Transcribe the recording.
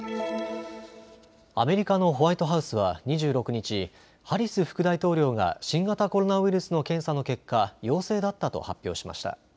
アメリカのホワイトハウスは２６日、ハリス副大統領が新型コロナウイルスの検査の結果、陽性だったと発表しました。